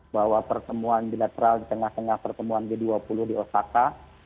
bahwa pertemuan bilateral di tengah tengah pertemuan g dua puluh di osaka